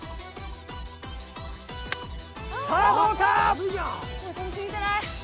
さあどうか？